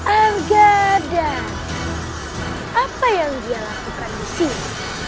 argada apa yang dia lakukan disini